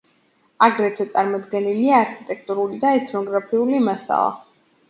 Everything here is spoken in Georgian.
აგრეთვე წარმოდგენილია არქიტექტურული და ეთნოგრაფიული მასალა.